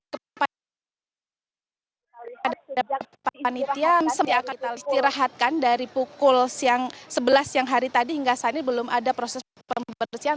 sementara kita istirahatkan dari pukul siang sebelas yang hari tadi hingga saat ini belum ada proses pembersihan